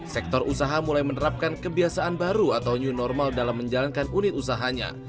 sektor usaha mulai menerapkan kebiasaan baru atau new normal dalam menjalankan unit usahanya